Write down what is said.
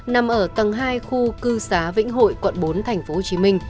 nằm ở tầng hai khu cư xá vĩnh hội quận bốn tp hcm